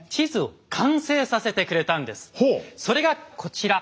それがこちら。